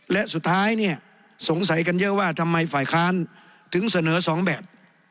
และสุดท้ายเนี่ยสงสัยกันเยอะว่าทำไมฝ่ายค้านถึงเสนอสองแบบ